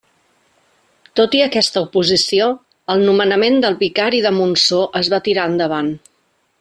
Tot i aquesta oposició el nomenament del vicari de Montsó es va tirar endavant.